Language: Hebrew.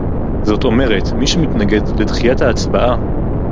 זאת אומרת: מי שמתנגד לדחיית ההצבעה